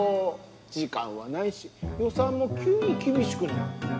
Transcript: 時間はないし予算も急に厳しくなって。